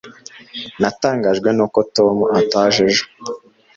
natangajwe nuko tom ataje ejo